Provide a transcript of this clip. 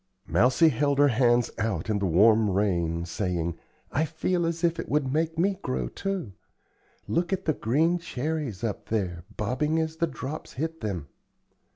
Mousie held her hands out in the warm rain, saying: "I feel as if it would make me grow, too. Look at the green cherries up there, bobbing as the drops hit them."